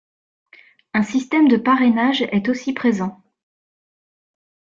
Un système de parrainage est aussi présent.